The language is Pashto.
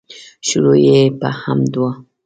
شروع یې په حمد ده.